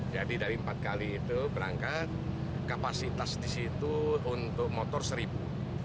jadi dari empat kali itu berangkat kapasitas disitu untuk motor seribu